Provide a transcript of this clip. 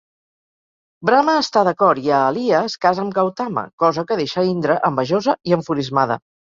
Brahma està d'acord i Ahalya es casa amb Gautama, cosa que deixa Indra envejosa i enfurismada.